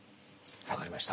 分かりました。